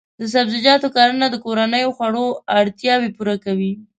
د سبزیجاتو کرنه د کورنیو خوړو اړتیاوې پوره کوي.